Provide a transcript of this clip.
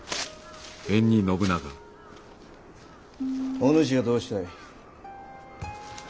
お主はどうしたい？